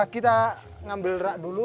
kita ambil rak dulu